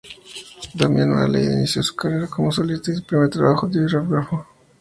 Damian Marley inició su carrera como solista con su primer trabajo discográfico, "Mr.